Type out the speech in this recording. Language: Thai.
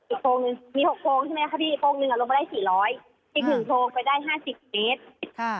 อีกโทรงหนึ่งมีหกโทรงใช่ไหมคะพี่โทรงหนึ่งอะลงไปได้สี่ร้อยอีกหนึ่งโทรงไปได้ห้าสิบเมตรค่ะ